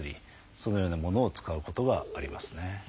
そのようなものを使うことがありますね。